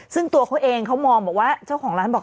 ซึ่งตัวเขาเองเขามองบอกว่าเจ้าของร้านบอก